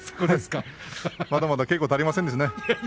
まだまだ稽古が足りませんね。